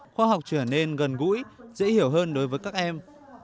khoa học trở nên gần gũi dễ hiểu hơn đối với các em